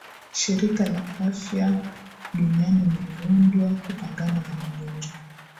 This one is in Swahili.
shirika la afya duniani liliundwa kupangana na magonjwa